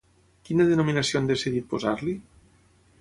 Quina denominació han decidit posar-li?